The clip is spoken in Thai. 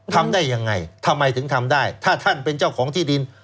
ทำได้ยังไงทำไมถึงทำได้ถ้าท่านเป็นเจ้าของที่ดิน